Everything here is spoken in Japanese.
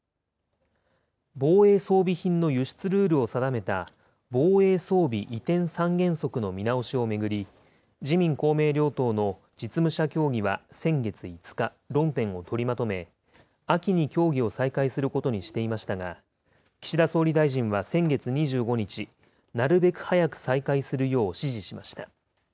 防衛装備品の輸出ルールを定めた、防衛装備移転三原則の見直しを巡り、自民、公明両党の実務者協議は先月５日、論点を取りまとめ、秋に協議を再開することにしていましたが、岸田総理大臣は先月２５日、なるべく早く再開するよう指示しました。